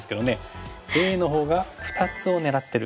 Ａのほうが２つを狙ってる。